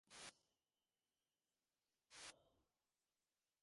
এখন নিভৃতে বসিয়া বসিয়া তাহারই একটি একটি গ্রন্থি মোচন করিবার দিন আসিয়াছে।